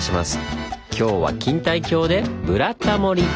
今日は錦帯橋で「ブラタモリ」！